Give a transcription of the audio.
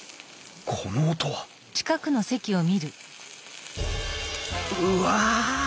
この音はうわ！